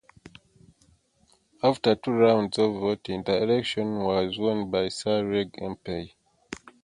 After two rounds of voting the election was won by Sir Reg Empey.